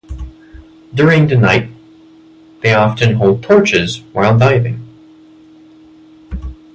During the night, they often hold torches while diving.